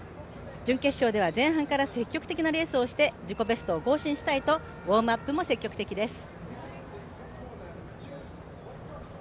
準決勝では前半から積極的なレースを展開して自己ベストを更新したいとウオームアップも積極的です。